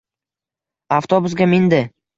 Avtobusga mindi.